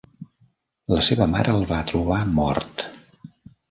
La seva mare el va trobar mort.